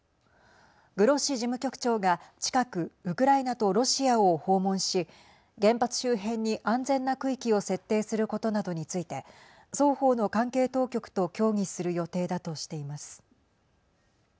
グロッシ事務局長が近くウクライナとロシアを訪問し原発周辺に安全な区域を設定することなどについて双方の関係当局と協議する予定だとしています。